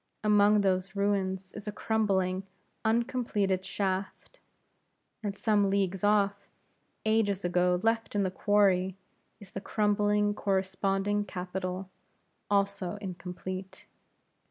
Among those ruins is a crumbling, uncompleted shaft, and some leagues off, ages ago left in the quarry, is the crumbling corresponding capital, also incomplete.